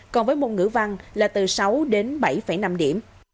còn với môn ngữ văn là từ sáu đến bảy năm điểm